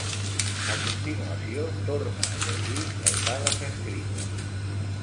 A continuació, torna a llegir les dades escrites.